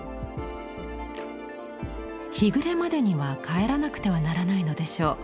日暮れまでには帰らなくてはならないのでしょう。